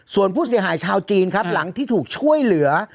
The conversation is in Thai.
ส่วนผู้เสียหายชาวจีนครับหลังที่ถูกช่วยเหลือ